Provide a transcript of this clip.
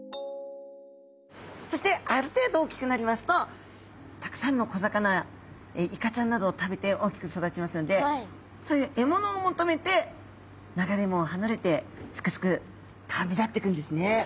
そしてある程度大きくなりますとたくさんの小魚イカちゃんなどを食べて大きく育ちますのでそういう獲物を求めて流れ藻を離れてすくすく旅立っていくんですね。